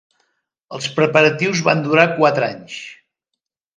Els preparatius van durar quatre anys.